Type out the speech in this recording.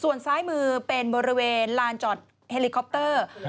ส่วนซ้ายมือเป็นบริเวณลานจอดเฮลิคอปเตอร์